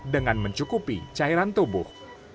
dengan mencukupi cairan tubuh